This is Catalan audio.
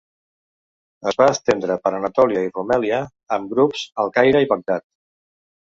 Es va estendre per Anatòlia i Rumèlia amb grups al Caire i Bagdad.